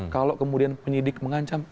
kalau kemudian penyidik mengancam